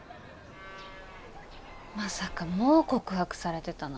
まさかもう告白されてたなんて。